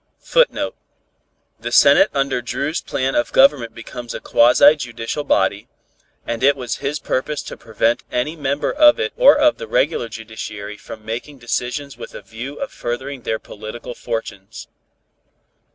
[Footnote: The Senate under Dru's plan of Government becomes a quasi judicial body, and it was his purpose to prevent any member of it or of the regular judiciary from making decisions with a view of furthering their political fortunes.